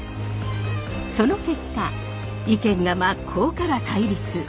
その結果意見が真っ向から対立。